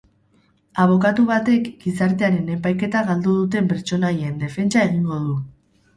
Abokatu batek gizartearen epaiketa galdu duten pertsonaien defentsa egingo du.